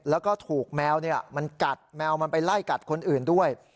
แล้วก็ถูกแมวมันกัดแมวมันไปไล่กัดคนอื่นด้วย